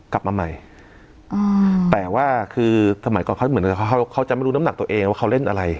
กลับมาใหม่อ่าแต่ว่าคือสมัยก่อนเขาเหมือนกับเขาจะไม่รู้น้ำหนักตัวเองว่าเขาเล่นอะไร